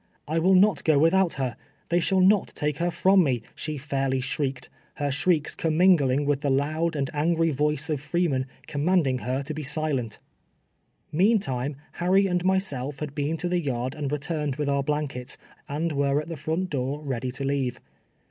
''I will not go without her. They shall noti^Q lier from me," she fairly shrieked, her shrieks com mingling with the loud and angry voice of Freeman, commanding her to bo silent. Meantime Harry and myself had been to the yard and returned with our blankets, and were at the front door ready to leave.